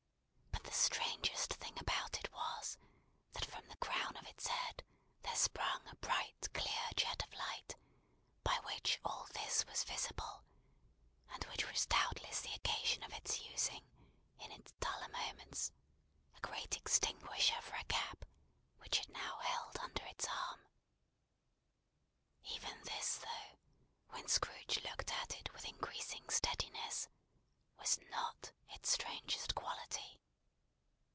But the strangest thing about it was, that from the crown of its head there sprung a bright clear jet of light, by which all this was visible; and which was doubtless the occasion of its using, in its duller moments, a great extinguisher for a cap, which it now held under its arm. Even this, though, when Scrooge looked at it with increasing steadiness, was not its strangest quality.